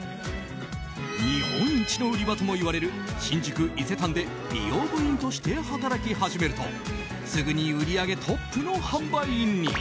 日本一の売り場ともいわれる新宿・伊勢丹で美容部員として働き始めるとすぐに売り上げトップの販売員に。